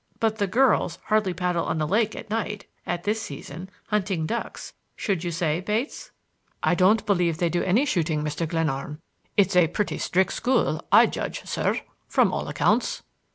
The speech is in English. But the girls hardly paddle on the lake at night, at this season—hunting ducks—should you say, Bates?" "I don't believe they do any shooting, Mr. Glenarm. It's a pretty strict school, I judge, sir, from all accounts."